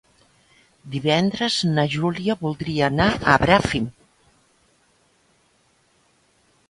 Divendres na Júlia voldria anar a Bràfim.